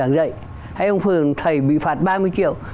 nếu ông thầy bị đình chỉ giảng dạy hay ông thầy bị phạt ba mươi triệu